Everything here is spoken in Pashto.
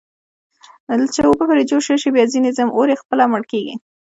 چې اوبه پر جوش راشي، بیا ځنې ځم، اور یې خپله مړ کېږي.